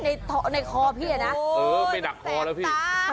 ในคอพี่อ่ะนะเออไม่ดักคอแล้วพี่